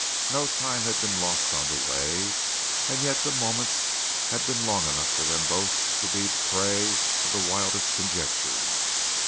No time had been lost on the way, and yet the moments had been long enough for them both to be the prey of the wildest conjectures.